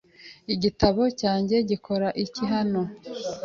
Igitabo cyanjye gikora iki hano?